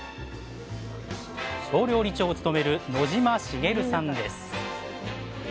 総料理長を務める野島茂さんです。